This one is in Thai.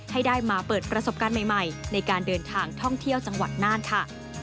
ให้ได้มาเปิดประสบการณ์ใหม่ในการเดินทางท่องเที่ยวจังหวัดน่านค่ะ